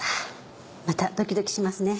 またドキドキしますね。